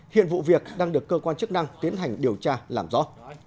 hiện vụ việc đang được cơ quan chức năng tiến hành điều tra làm rõ